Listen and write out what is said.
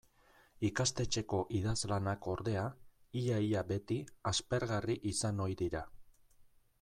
Ikastetxeko idazlanak, ordea, ia-ia beti aspergarri izan ohi dira.